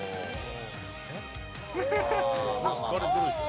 これ好かれてるでしょ。